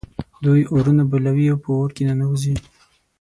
دوی اورونه بلوي او په اور کې ننوزي.